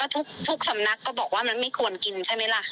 ทุกสำนักก็บอกว่ามันไม่ควรกินใช่ไหมล่ะ